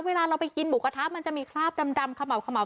เวลาเราไปกินหมูกะท้ะมันจะมีคราบดำดำขะเหมาขะเหมา